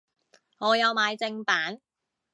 我有買正版